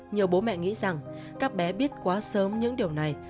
nhiều bố mẹ nghĩ rằng các bé biết quá sớm những điều này